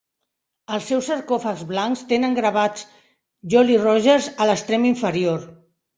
Els seus sarcòfags blancs tenen gravats "jolly rogers" a l'extrem inferior.